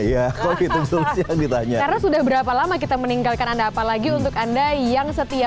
ya kok itu ditanya sudah berapa lama kita meninggalkan ada apalagi untuk anda yang setia